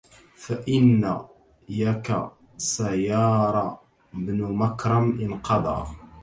فإن يك سيار بن مكرم انقضى